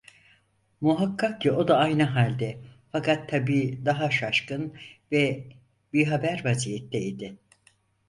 Muhakkak ki o da aynı halde, fakat tabii daha şaşkın ve bihaber vaziyette idi.